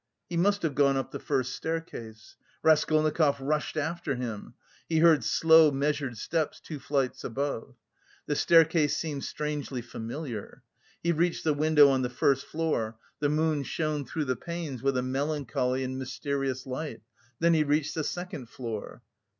He must have gone up the first staircase. Raskolnikov rushed after him. He heard slow measured steps two flights above. The staircase seemed strangely familiar. He reached the window on the first floor; the moon shone through the panes with a melancholy and mysterious light; then he reached the second floor.